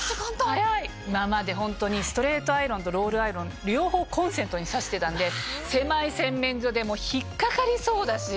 今までストレートアイロンとロールアイロン両方コンセントに差してたんで狭い洗面所で引っかかりそうだし。